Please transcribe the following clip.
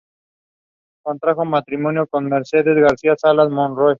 Contrajo matrimonio con Mercedes García-Salas Monroy.